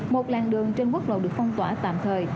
một làng đường trên quốc lộ được phong tỏa tạm thời